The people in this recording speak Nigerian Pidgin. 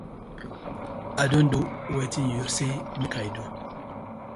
I don do wetin yu say mak I do.